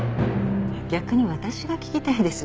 逆に私が聞きたいです。